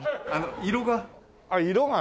色が。